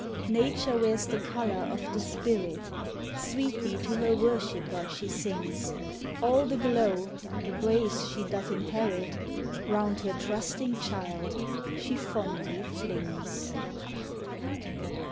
Nature wears the color of the spirit; Sweetly to her worshipper she sings; All the glow, the grace she doth inherit, Round her trusting child she fondly flings.